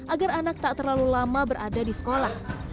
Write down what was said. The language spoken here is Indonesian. agar anak tak terlalu lama berada di sekolah